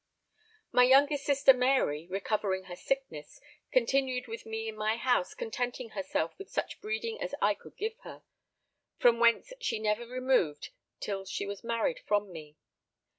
My youngest sister Mary, recovering her sickness, continued with me in my house contenting herself with such breeding as I could give her; from whence she never removed till she was married from me.